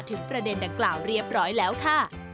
ประเด็นดังกล่าวเรียบร้อยแล้วค่ะ